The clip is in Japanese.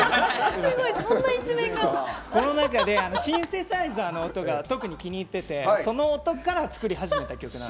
この中でシンセサイザーの音が特に気に入っててその音から作り始めた曲なんです。